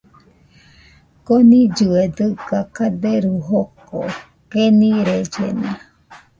Konillɨe dɨga kaderu joko, kenirellena.